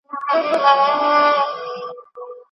که هوا سړه نه وي نو واوره هیڅکله نه ورېږي.